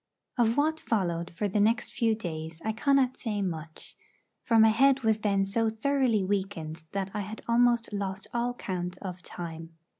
Of what followed for the next few days I cannot say much; for my head was then so thoroughly weakened that I had almost lost all count of time.